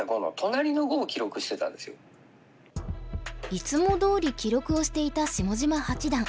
いつもどおり記録をしていた下島八段。